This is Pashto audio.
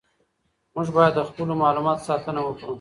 موږ باید د خپلو معلوماتو ساتنه وکړو.